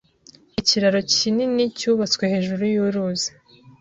Ikiraro kinini cyubatswe hejuru yuruzi.